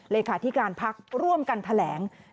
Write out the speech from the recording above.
เลขาธิการพักร่วมกันแถลง